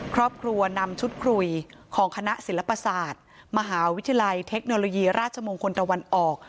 ครอบครัวนำชุดคุยของคณะศิลปศาสตร์มหาวิทยาลัยเทคโนโลยีราชมงคลตะวันออก